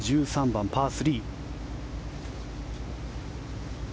１３番、パー３。